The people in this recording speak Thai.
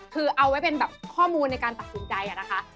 คือเอาไว้เป็นแบบข้อมูลในการตัดสินใจนะคะ